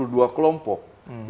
yang tidak hanya pak zaitun